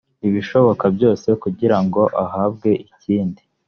ibishoboka byose kugira ngo ahabwe ikindi